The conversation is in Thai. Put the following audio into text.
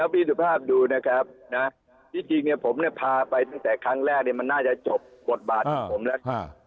พี่สุภาพดูนะครับที่จริงผมเนี่ยพาไปตั้งแต่ครั้งแรกมันน่าจะจบบทบาทของผมแล้ว